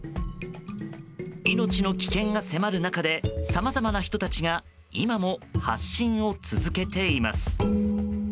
命の危険が迫る中でさまざまな人たちが今も発信を続けています。